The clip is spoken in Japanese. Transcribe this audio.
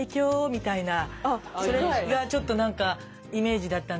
それがちょっとなんかイメージだったんだけど